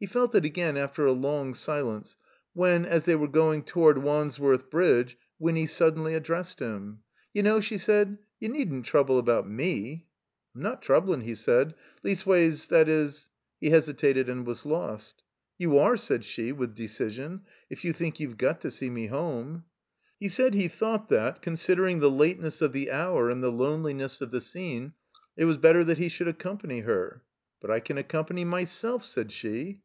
He felt it again after a long silence when, as they were going toward Wandsworth Bridge, Winny sud denly addressed him. "You know," she said, "you needn't trouble about me,*' "I'm not troubKn'," he said. "Leastways — ^that is —" he hesitated and was lost. "You are," said she, with decision, "if you think you've got to see me home." He said he thought that, considering the lateness of the hour and the loneliness of the scene, it was better that he should accompany her. "But I can accompany myself," said she.